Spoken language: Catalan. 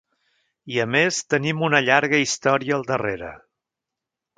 I a més, tenim una llarga història al darrere.